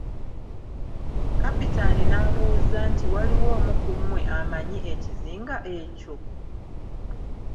Kapitaani n'ababuuza nti Waliwo omu ku mmwe amanyi ekizinga ekyo?